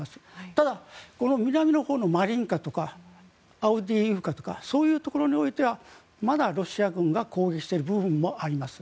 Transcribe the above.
ただ、南のほうのマリンカとかアウディイフカとかそういうところにおいてはまだロシア軍が攻撃している部分もあります。